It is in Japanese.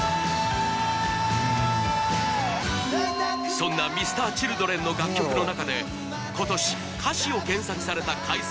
そんなＭｒ．Ｃｈｉｌｄｒｅｎの楽曲の中で今年歌詞を検索された回数